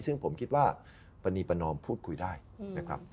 ซึ่งผมคิดว่าปณีประนอมพูดคุยได้นะครับ